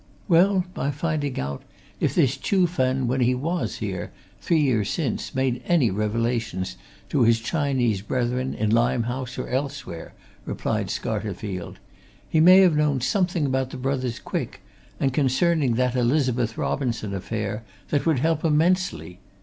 "Well, by finding out if this Chuh Fen, when he was here, three years since, made any revelations to his Chinese brethren in Limehouse or elsewhere," replied Scarterfield. "He may have known something about the brothers Quick and concerning that Elizabeth Robinson affair that would help immensely.